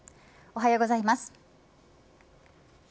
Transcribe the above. おはようございます。